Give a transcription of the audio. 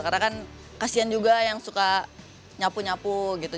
karena kan kasian juga yang suka nyapu nyapu gitu